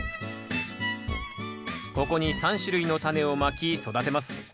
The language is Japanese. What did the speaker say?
ここに３種類のタネをまき育てます。